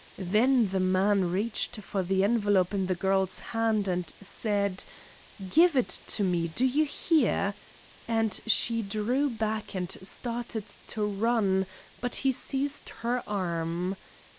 Then the man reached for the envelope in the girl's hand and said, "Give it to me, do you hear?" and she drew back and started to run, but he seized her arm.